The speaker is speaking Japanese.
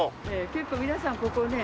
結構皆さんここね。